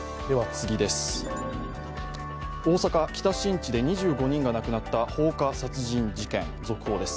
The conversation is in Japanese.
大阪・北新地で２５人が亡くなった放火殺人事件、続報です。